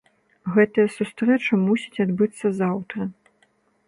Гэтая сустрэча мусіць адбыцца заўтра.